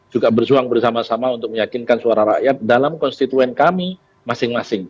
juga bersuang bersama sama untuk meyakinkan suara rakyat dalam konstituen kami masing masing